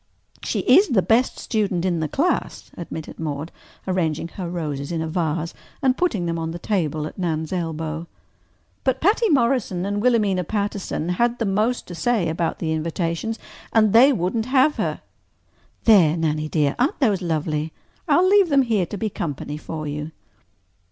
"She is the best student in the class," admitted Maude, arranging her roses in a vase and putting them on the table at Nan's elbow. "But Patty Morrison and Wilhelmina Patterson had the most to say about the invitations, and they wouldn't have her. There, Nannie dear, aren't those lovely? I'll leave them here to be company for you."